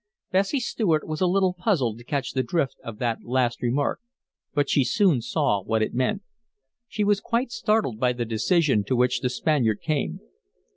Bessie Stuart was a little puzzled to catch the drift of that last remark. But she soon saw what it meant. She was quite startled by the decision to which the Spaniard came.